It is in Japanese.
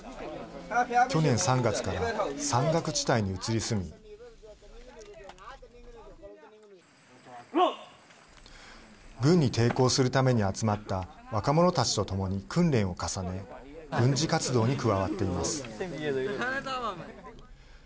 去年３月から山岳地帯に移り住み軍に抵抗するために集まった若者たちとともに訓練を重ね軍事活動に加わっています。